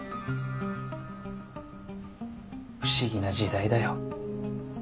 不思議な時代だよ。